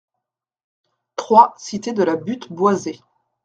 trois cité de la Butte Boisée